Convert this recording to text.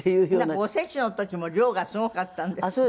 なんかおせちの時も量がすごかったんですって？